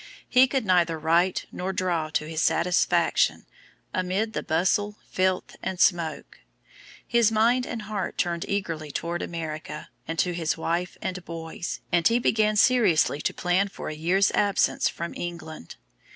He could neither write nor draw to his satisfaction amid the "bustle, filth, and smoke." His mind and heart turned eagerly toward America, and to his wife and boys, and he began seriously to plan for a year's absence from England.